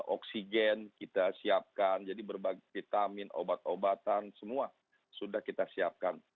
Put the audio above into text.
oksigen kita siapkan jadi berbagai vitamin obat obatan semua sudah kita siapkan